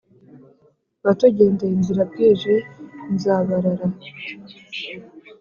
watugendeye inzira bwije nzabarara,